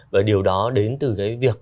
và điều đó đến từ cái việc